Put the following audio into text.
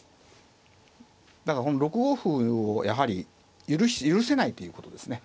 だから６五歩をやはり許せないっていうことですね。